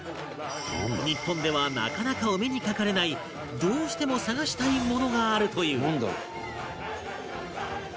日本ではなかなかお目にかかれないどうしても探したいものがあるという